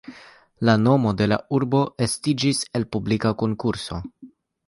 La nomo de la urbo estiĝis el publika konkurso.